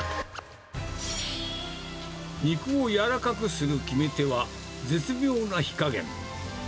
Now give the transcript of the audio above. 肉を柔らかくする決め手は、絶妙な火加減。